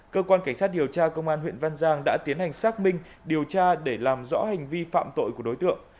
cơ quan cảnh sát điều tra công an huyện văn giang đã tiến hành xác minh điều tra để làm rõ hành vi phạm tội của đối tượng